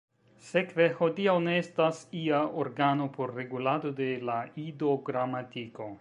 Sekve, hodiaŭ ne estas ia organo por regulado de la Ido-gramatiko.